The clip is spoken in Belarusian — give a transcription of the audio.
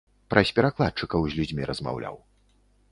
Праз перакладчыкаў з людзьмі размаўляў.